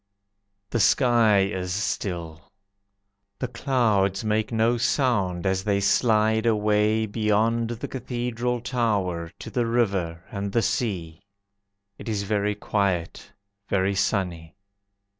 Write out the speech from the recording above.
The sky is still. The clouds make no sound As they slide away Beyond the Cathedral Tower, To the river, And the sea. It is very quiet, Very sunny.